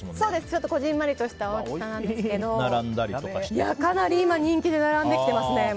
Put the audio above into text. ちょっと、こじんまりとしたお店なんですがかなり今人気で並んできてますね。